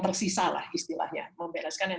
tersisa lah istilahnya membereskan yang